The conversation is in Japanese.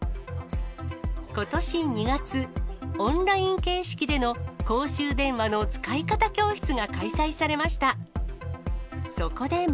ことし２月、オンライン形式での公衆電話の使い方教室が開催されました。